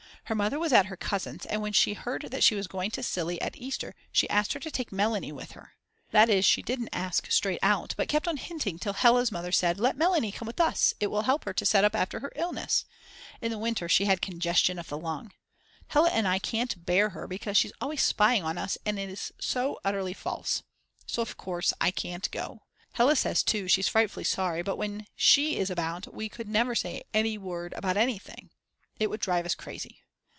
Her mother was at her cousin's, and when she heard that she was going to Cilli at Easter she asked her to take Melanie with her. That is, she didn't ask straight out, but kept on hinting until Hella's mother said: Let Melanie come with us, it will help to set her up after her illness. In the winter she had congestion of the lung. Hella and I can't bear her because she's always spying on us and is so utterly false. So of course I can't go. Hella says too she's frightfully sorry, but when she is about we could never say a word about anything, it would drive us crazy.